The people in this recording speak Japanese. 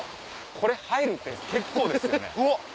これ入るのって結構ですよね。